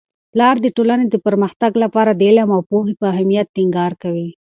پلار د ټولنې د پرمختګ لپاره د علم او پوهې په اهمیت ټینګار کوي.